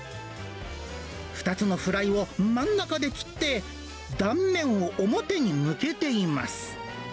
２つのフライを真ん中で切って、断面を表に向けています。